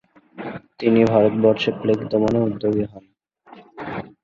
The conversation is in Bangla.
তিনি ভারতবর্ষে প্লেগ দমনে উদ্যোগী হন।